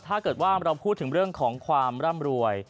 ถ้าเกิดว่าเราพูดถึงเรื่องของความร่ำรวย